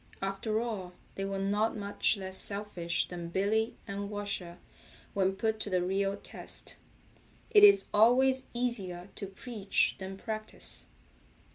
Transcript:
After all they were not much less selfish than Billy and Washer when put to the real test. It is always easier to preach than practice.